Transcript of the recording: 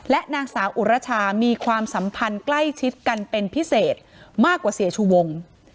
และนางสาวอุรชามีความสัมพันธ์ใกล้ชิดกันเป็นพิเศษมากกว่าเสียชูวง